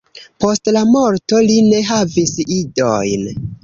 Post la morto li ne havis idojn.